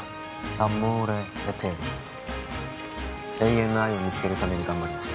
アモーレエテルノ永遠の愛を見つけるために頑張ります